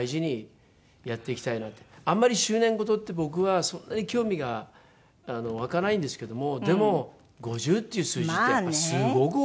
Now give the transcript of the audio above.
あんまり周年ごとって僕はそんなに興味が湧かないんですけどもでも５０っていう数字ってすごく大きいじゃないですか。